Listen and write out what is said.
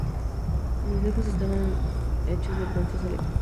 Los espejos estaban hechos de bronce sólido.